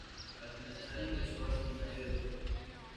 Al finalizar, ingresó al seminario de Brescia.